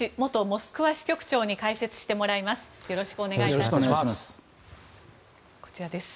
モスクワ支局長に解説してもらいます。